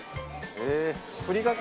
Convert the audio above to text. ふりかけ。